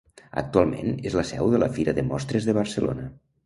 Actualment és la seu de la Fira de Mostres de Barcelona.